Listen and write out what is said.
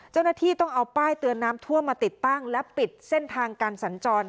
เจ้าหน้าที่ต้องเอาป้ายเตือนน้ำท่วมมาติดตั้งและปิดเส้นทางการสัญจร